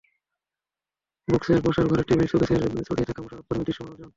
Bookshelf, বসার ঘরের table, শোকেসে ছড়িয়ে আছে মোশাররফ করিমের দৃশ্যমান অর্জন।